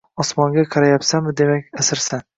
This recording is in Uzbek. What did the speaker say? Osmonga qarayapsanmi demak asirsan.